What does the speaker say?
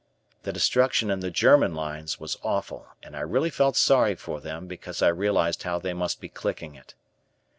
The destruction in the German lines was awful and I really felt sorry for them because I realized how they must be clicking it.